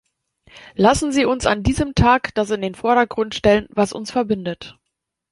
Lassen Sie uns an diesem Tag das in den Vordergrund stellen, was uns verbindet!